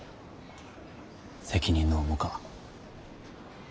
責任の重か。